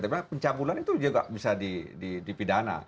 sebenarnya pencabulan itu juga bisa dipidana